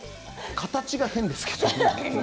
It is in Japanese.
形が変ですけど。